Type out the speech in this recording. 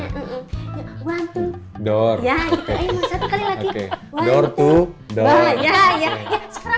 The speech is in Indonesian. aduh keuntung udah kerja lama disini ya